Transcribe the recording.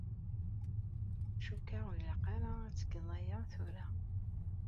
Cukkeɣ ur ilaq ara ad tgeḍ aya tura.